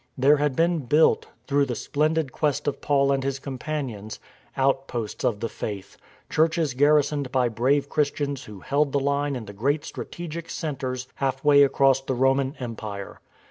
There had been built, through the splendid quest of Paul and his companions, outposts of the Faith, churches garrisoned by brave Christians who held the line in the great strategic centres halfway across the Roman Empire.